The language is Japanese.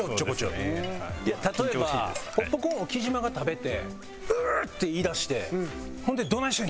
例えばポップコーンを木島が食べて「ううっ！」って言いだしてほんで「どないしたん？